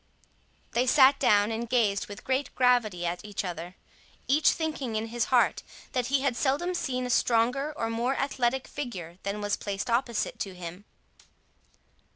They sat down, and gazed with great gravity at each other, each thinking in his heart that he had seldom seen a stronger or more athletic figure than was placed opposite to him.